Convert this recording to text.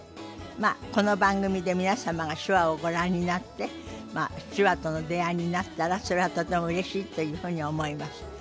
まあこの番組で皆様が手話をご覧になって手話との出会いになったらそれはとてもうれしいというふうに思います。